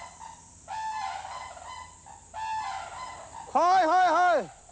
はいはいはい！